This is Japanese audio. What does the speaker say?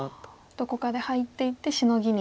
どこかで入っていってシノギに。